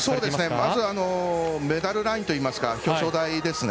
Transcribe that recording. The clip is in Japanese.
まずメダルラインというか表彰台ですね。